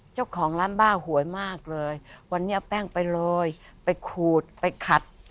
เจ้าของร้านบ้าหวยมากเลยวันนี้เอาแป้งไปโรยไปขูดไปขัด